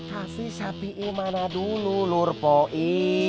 kasih sapi mana dulu lurpoi